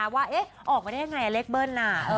ว่าเอ๊ะออกมาได้ยังไงเล็กเบิ้ล